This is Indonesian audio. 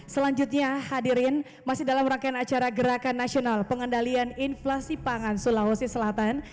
selanjutnya hadirin masih dalam rangkaian acara gerakan nasional pengendalian inflasi pangan sulawesi selatan